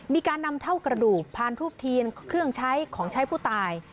มีการนำเท่ากระดูกพานทูบเทียนเครื่องใช้ของใช้ผู้ตาย